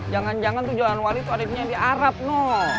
jangan jangan tuh jalan wali tuh ada di arab no